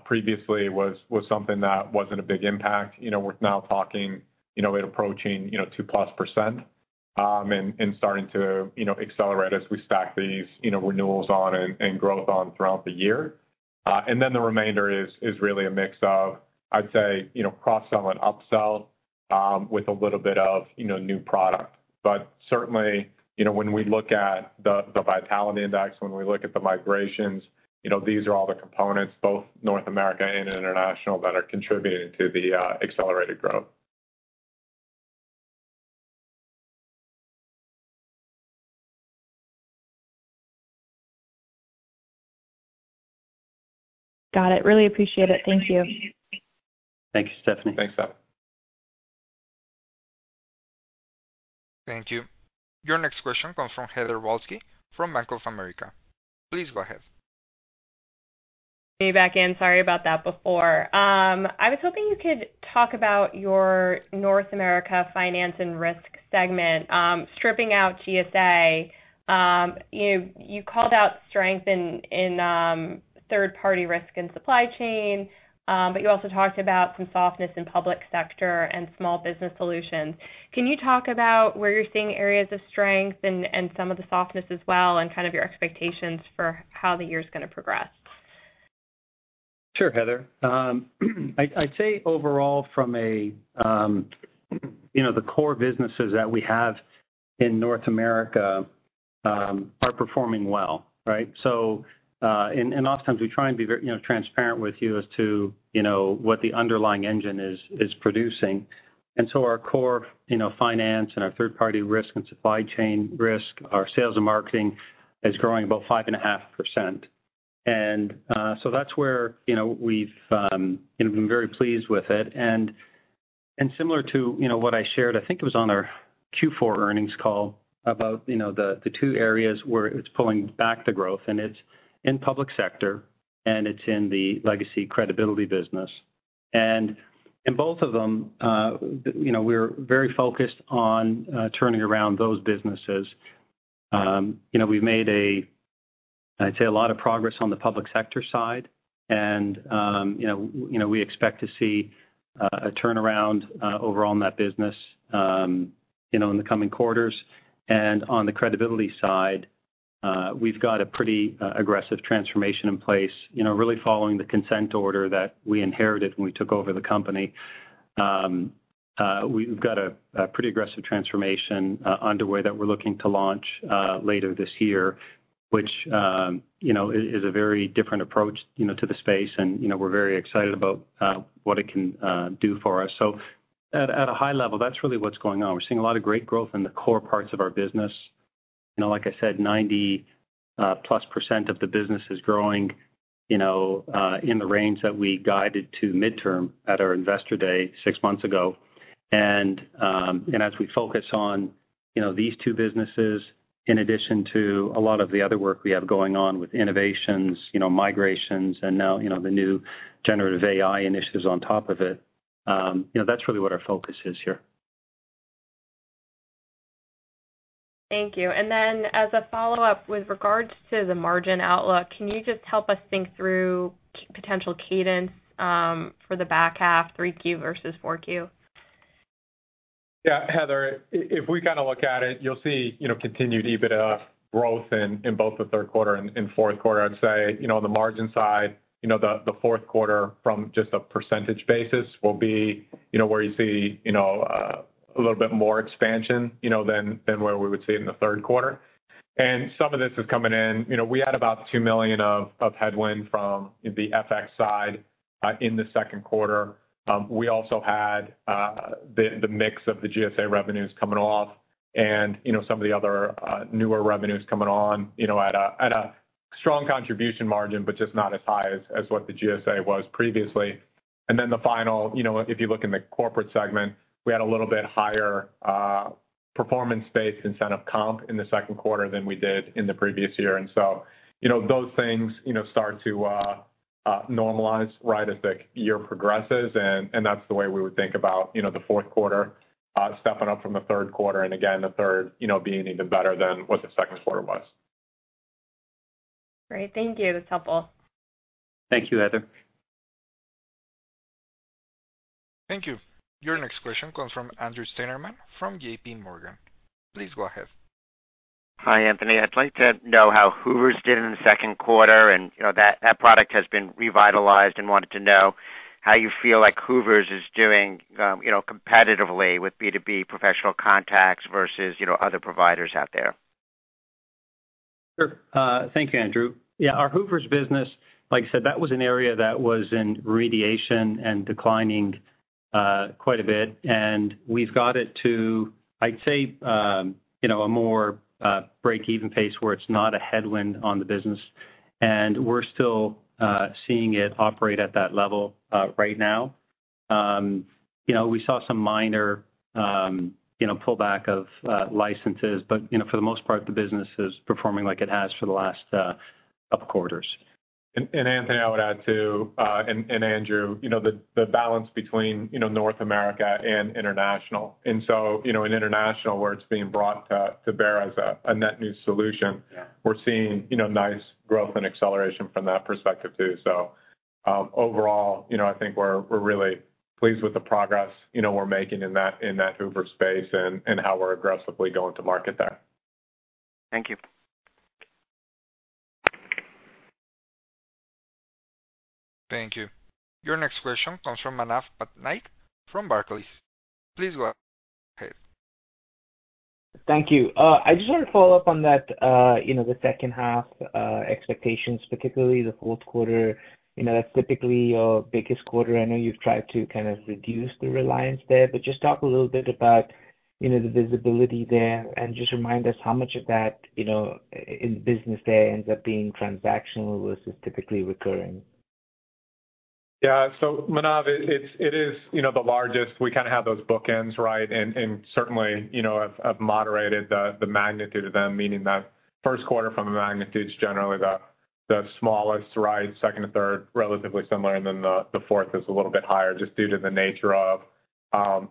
previously was, was something that wasn't a big impact. You know, we're now talking, you know, it approaching, you know, 2+%. And, and starting to, you know, accelerate as we stack these, you know, renewals on and, and growth on throughout the year. Then the remainder is, is really a mix of, I'd say, you know, cross-sell and upsell, with a little bit of, you know, new product. Certainly, you know, when we look at the Vitality Index, when we look at the migrations, you know, these are all the components, both North America and international, that are contributing to the accelerated growth. Got it. Really appreciate it. Thank you. Thank you, Stephanie. Thanks, Steph. Thank you. Your next question comes from Heather Balsky from Bank of America. Please go ahead. Me back in. Sorry about that before. I was hoping you could talk about your North America finance and risk segment, stripping out GSA. You, you called out strength in third-party risk and supply chain, but you also talked about some softness in public sector and small business solutions. Can you talk about where you're seeing areas of strength and, and some of the softness as well, and kind of your expectations for how the year's gonna progress? Sure, Heather. I'd say overall from a, you know, the core businesses that we have in North America, are performing well, right? Oftentimes we try and be very, you know, transparent with you as to, you know, what the underlying engine is, is producing. Our core, you know, finance and our third-party risk and supply chain risk, our sales and marketing is growing about 5.5%. That's where, you know, we've, you know, been very pleased with it. Similar to, you know, what I shared, I think it was on our Q4 earnings call, about, you know, the, the two areas where it's pulling back the growth, and it's in public sector, and it's in the legacy credibility business. In both of them, you know, we're very focused on turning around those businesses. You know, we've made a, I'd say, a lot of progress on the public sector side, and, you know, you know, we expect to see a turnaround overall in that business, you know, in the coming quarters. On the credibility side, we've got a pretty aggressive transformation in place, you know, really following the consent order that we inherited when we took over the company. We've got a pretty aggressive transformation underway that we're looking to launch later this year, which, you know, is, is a very different approach, you know, to the space, and, you know, we're very excited about what it can do for us. At, at a high level, that's really what's going on. We're seeing a lot of great growth in the core parts of our business. You know, like I said, 90 plus % of the business is growing, you know, in the range that we guided to midterm at our Investor Day 6 months ago. As we focus on, you know, these two businesses, in addition to a lot of the other work we have going on with innovations, you know, migrations and now, you know, the new generative AI initiatives on top of it, you know, that's really what our focus is here. Thank you. Then, as a follow-up, with regards to the margin outlook, can you just help us think through potential cadence for the back half, 3Q versus 4Q? Yeah, Heather, if we kind of look at it, you'll see, you know, continued EBITDA growth in, in both the third quarter and, and fourth quarter. I'd say, you know, on the margin side, you know, the, the fourth quarter from just a percentage basis will be, you know, where you see, you know, a little bit more expansion, you know, than, than where we would see in the third quarter. Some of this is coming in. You know, we had about $2 million of, of headwind from the FX side, in the second quarter. We also had, the, the mix of the GSA revenues coming off and, you know, some of the other, newer revenues coming on, you know, at a, at a strong contribution margin, but just not as high as, as what the GSA was previously. Then the final, you know, if you look in the corporate segment, we had a little bit higher, performance-based incentive comp in the second quarter than we did in the previous year. So, you know, those things, you know, start to, normalize right as the year progresses, and that's the way we would think about, you know, the fourth quarter, stepping up from the third quarter, and again, the third, you know, being even better than what the second quarter was. Great. Thank you. That's helpful. Thank you, Heather. Thank you. Your next question comes from Andrew Steinerman from JPMorgan. Please go ahead. Hi, Anthony. I'd like to know how Hoovers did in the second quarter, and, you know, that, that product has been revitalized, and wanted to know how you feel like Hoovers is doing, you know, competitively with B2B professional contacts versus, you know, other providers out there? Sure. Thank you, Andrew. Our Hoovers business, like I said, that was an area that was in radiation and declining quite a bit. We've got it to, I'd say, you know, a more break-even pace where it's not a headwind on the business. We're still seeing it operate at that level right now. You know, we saw some minor, you know, pullback of licenses. You know, for the most part, the business is performing like it has for the last couple quarters. Anthony, I would add, too, and Andrew, you know, the, the balance between, you know, North America and international. So, you know, in international, where it's being brought to, to bear as a, a net new solution. Yeah We're seeing, you know, nice growth and acceleration from that perspective, too. Overall, you know, I think we're, we're really pleased with the progress, you know, we're making in that, in that Hoovers space and how we're aggressively going to market there. Thank you. Thank you. Your next question comes from Manav Patnaik from Barclays. Please go ahead. Thank you. I just want to follow up on that, you know, the second half, expectations, particularly the fourth quarter. You know, that's typically your biggest quarter. I know you've tried to kind of reduce the reliance there, but just talk a little bit about, you know, the visibility there, and just remind us how much of that, you know, in business there ends up being transactional versus typically recurring? Yeah. Manav, it's-- it is, you know, the largest. We kind of have those bookends, right? Certainly, you know, have, have moderated the, the magnitude of them, meaning that first quarter from a magnitude is generally the, the smallest, right? Second to third, relatively similar, and then the, the fourth is a little bit higher, just due to the nature of,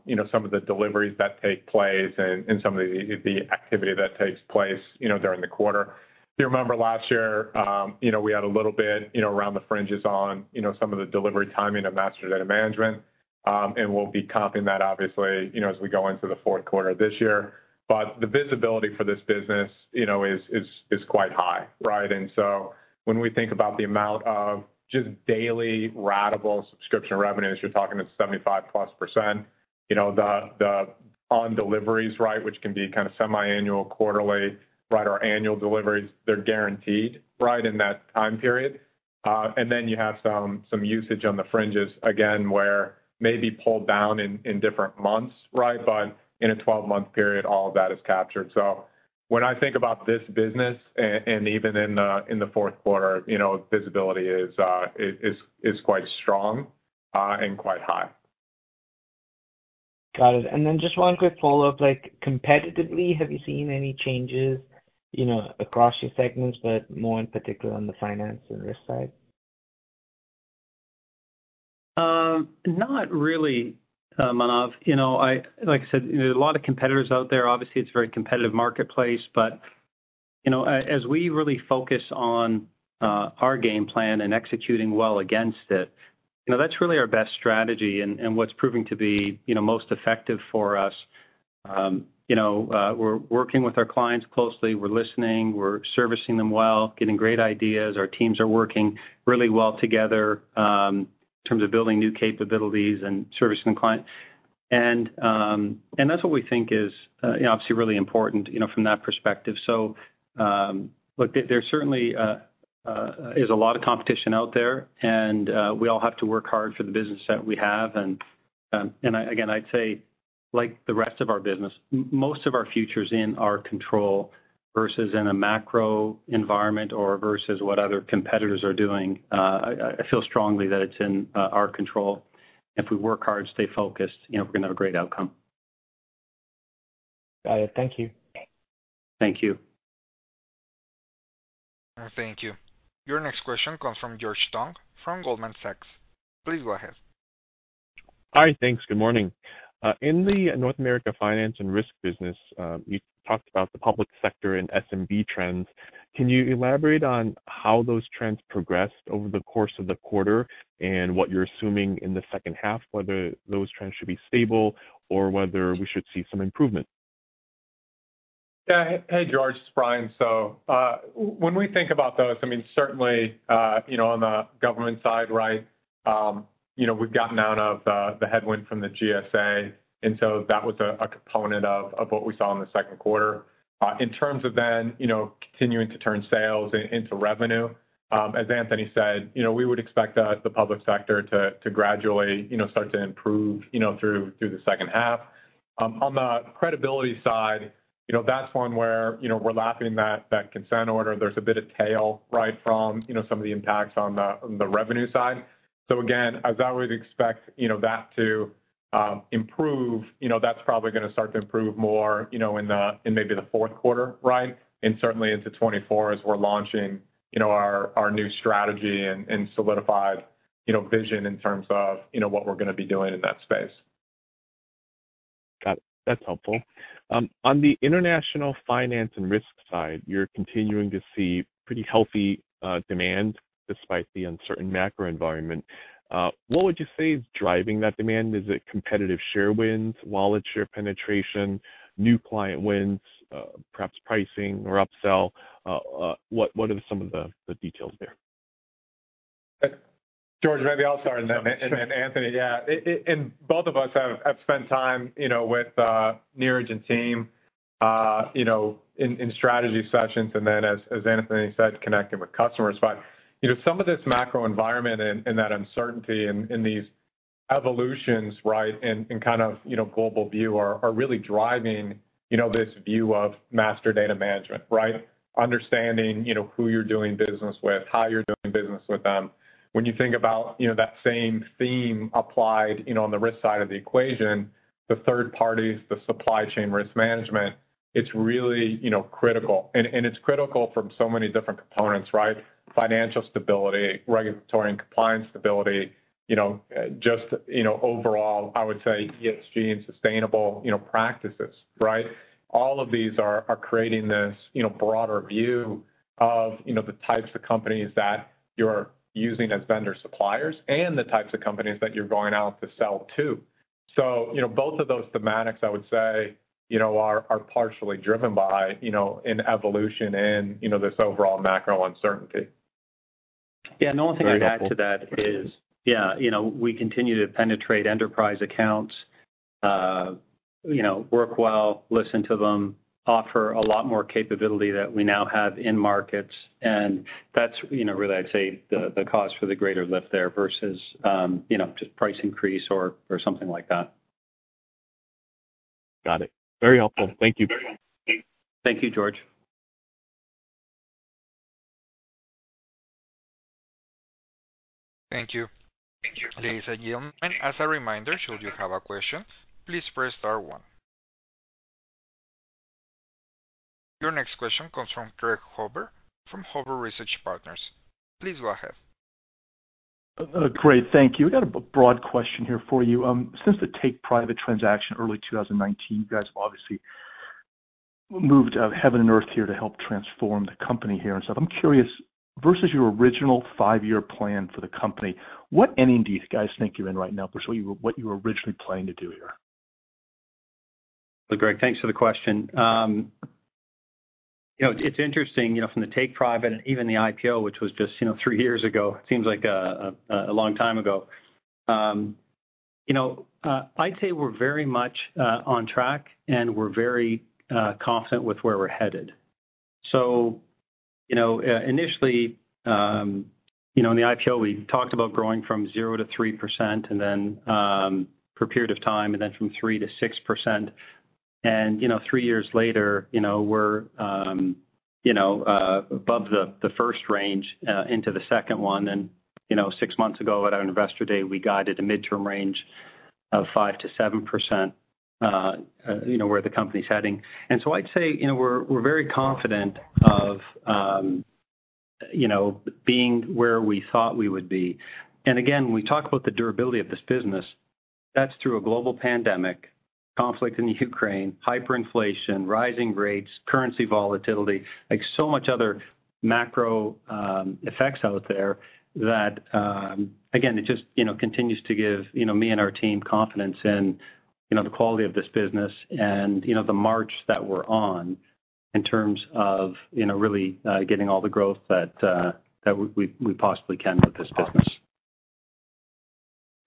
you know, some of the deliveries that take place and, and some of the, the activity that takes place, you know, during the quarter. If you remember last year, you know, we had a little bit, you know, around the fringes on, you know, some of the delivery timing of master data management. We'll be comping that obviously, you know, as we go into the fourth quarter this year. The visibility for this business, you know, is, is, is quite high, right? When we think about the amount of just daily ratable subscription revenues, you're talking about 75%+. You know, the, the on deliveries, right, which can be kind of semi-annual, quarterly, right, or annual deliveries, they're guaranteed, right, in that time period. Then you have some, some usage on the fringes, again, where maybe pulled down in, in different months, right? In a 12-month period, all of that is captured. When I think about this business and, and even in the, in the fourth quarter, you know, visibility is, is, is quite strong and quite high. Got it. Then just one quick follow-up, like, competitively, have you seen any changes, you know, across your segments, but more in particular on the finance and risk side? Not really, Manav. You know, like I said, you know, there are a lot of competitors out there. Obviously, it's a very competitive marketplace, but, you know, as we really focus on our game plan and executing well against it, you know, that's really our best strategy and what's proving to be, you know, most effective for us. You know, we're working with our clients closely, we're listening, we're servicing them well, getting great ideas. Our teams are working really well together in terms of building new capabilities and servicing the client. And that's what we think is, you know, obviously really important, you know, from that perspective. Look, there certainly is a lot of competition out there, and we all have to work hard for the business that we have. Again, I'd say, like the rest of our business, most of our future is in our control versus in a macro environment or versus what other competitors are doing. I, I feel strongly that it's in our control. If we work hard, stay focused, you know, we're going to have a great outcome. Got it. Thank you. Thank you. Thank you. Your next question comes from George Tong, from Goldman Sachs. Please go ahead. Hi, thanks. Good morning. In the North America finance and risk business, you talked about the public sector and SMB trends. Can you elaborate on how those trends progressed over the course of the quarter and what you're assuming in the second half, whether those trends should be stable or whether we should see some improvement? Yeah. Hey, George, it's Bryan. When we think about those, I mean, certainly, you know, on the government side, right, you know, we've gotten out of the headwind from the GSA, and so that was a component of what we saw in the second quarter. In terms of then, you know, continuing to turn sales into revenue, as Anthony said, you know, we would expect the public sector to gradually, you know, start to improve, you know, through the second half. On the credibility side, you know, that's one where, you know, we're lacking that, that consent order. There's a bit of tail, right, from, you know, some of the impacts on the revenue side. Again, as I would expect, you know, that to improve, you know, that's probably gonna start to improve more, you know, in maybe the fourth quarter, right? Certainly into 2024 as we're launching, you know, our new strategy and solidified, you know, vision in terms of, you know, what we're going to be doing in that space. Got it. That's helpful. On the international finance and risk side, you're continuing to see pretty healthy demand despite the uncertain macro environment. What would you say is driving that demand? Is it competitive share wins, wallet share penetration, new client wins, perhaps pricing or upsell? What, what are some of the, the details there? George, maybe I'll start, and then, and then Anthony. Yeah. Both of us have, have spent time, you know, with Neeraj and team, you know, in strategy sessions, and then as Anthony said, connecting with customers. You know, some of this macro environment and that uncertainty and these evolutions, right, and kind of, you know, global view are really driving, you know, this view of master data management, right? Understanding, you know, who you're doing business with, how you're doing business with them. When you think about, you know, that same theme applied, you know, on the risk side of the equation, the third parties, the supply chain risk management, it's really, you know, critical. It's critical from so many different components, right? Financial stability, regulatory and compliance stability, you know, just, you know, overall, I would say ESG and sustainable, you know, practices, right? All of these are, are creating this, you know, broader view of, you know, the types of companies that you're using as vendor suppliers and the types of companies that you're going out to sell to. You know, both of those thematics, I would say, you know, are, are partially driven by, you know, an evolution in, you know, this overall macro uncertainty. Yeah. The only thing I'd add to that is, yeah, you know, we continue to penetrate enterprise accounts, you know, work well, listen to them, offer a lot more capability that we now have in markets. That's, you know, really, I'd say, the, the cause for the greater lift there versus, you know, just price increase or, or something like that. Got it. Very helpful. Thank you. Thank you, George. Thank you. Ladies and gentlemen, as a reminder, should you have a question, please press star one. Your next question comes from Craig Huber from Huber Research Partners. Please go ahead. Craig, thank you. I got a broad question here for you. Since the take-private transaction, early 2019, you guys have obviously moved heaven and earth here to help transform the company here. So I'm curious, versus your original five-year plan for the company, what [NND] do you guys think you're in right now versus what you, what you originally planned to do here? Well, Greg, thanks for the question. you know, it's interesting, you know, from the take private and even the IPO, which was just, you know, three years ago, it seems like a, a, a long time ago. you know, I'd say we're very much on track, and we're very confident with where we're headed. You know, initially, you know, in the IPO, we talked about growing from 0%-3%, and then for a period of time, and then from 3%-6%. You know, three years later, you know, we're, you know, above the, the first range, into the second one. You know, six months ago, at our Investor Day, we guided a midterm range of 5%-7%, you know, where the company's heading. I'd say, you know, we're, we're very confident of, you know, being where we thought we would be. Again, when we talk about the durability of this business, that's through a global pandemic, conflict in Ukraine, hyperinflation, rising rates, currency volatility, like so much other macro effects out there, that, again, it just, you know, continues to give, you know, me and our team confidence in, you know, the quality of this business and, you know, the march that we're on in terms of, you know, really getting all the growth that, that we, we, we possibly can with this business.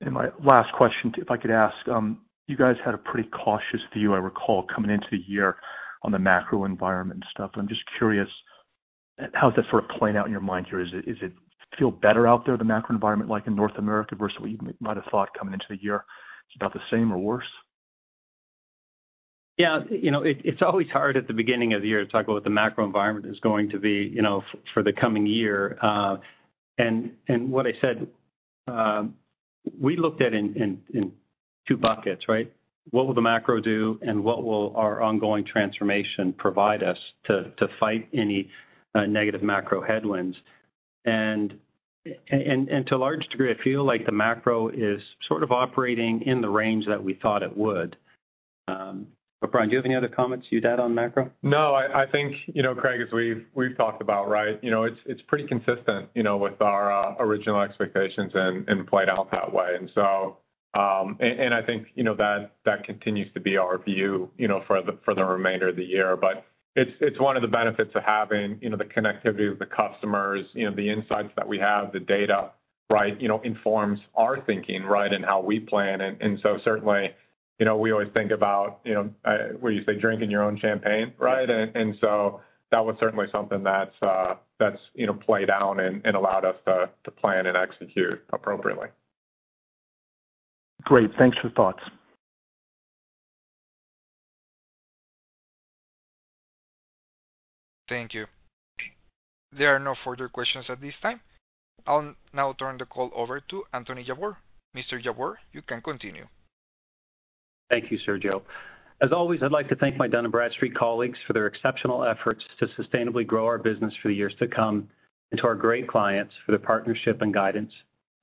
My last question, if I could ask, you guys had a pretty cautious view, I recall, coming into the year on the macro environment and stuff. I'm just curious, how does that sort of play out in your mind here? Is it, is it feel better out there, the macro environment, like in North America, versus what you might have thought coming into the year? It's about the same or worse? Yeah. You know, it, it's always hard at the beginning of the year to talk about what the macro environment is going to be, you know, for the coming year. What I said, we looked at in, in, in two buckets, right? What will the macro do, and what will our ongoing transformation provide us to, to fight any negative macro headwinds? And, and to a large degree, I feel like the macro is sort of operating in the range that we thought it would. Bryan, do you have any other comments you'd add on macro? No, I, I think, you know, Craig, as we've, we've talked about, right, you know, it's, it's pretty consistent, you know, with our original expectations and played out that way. So, I think, you know, that, that continues to be our view, you know, for the remainder of the year. It's, it's one of the benefits of having, you know, the connectivity with the customers, you know, the insights that we have, the data, right? You know, informs our thinking, right, and how we plan. Certainly, you know, we always think about, you know, where you say, drinking your own champagne, right? That was certainly something that's, that's, you know, played out and allowed us to, to plan and execute appropriately. Great. Thanks for the thoughts. Thank you. There are no further questions at this time. I'll now turn the call over to Anthony Jabbour. Mr. Jabbour, you can continue. Thank you, Sergio. As always, I'd like to thank my Dun & Bradstreet colleagues for their exceptional efforts to sustainably grow our business for the years to come. To our great clients for their partnership and guidance,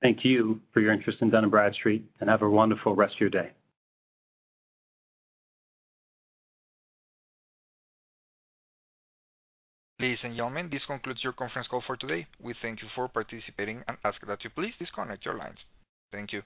thank you for your interest in Dun & Bradstreet, and have a wonderful rest of your day. Ladies and gentlemen, this concludes your conference call for today. We thank you for participating and ask that you please disconnect your lines. Thank you.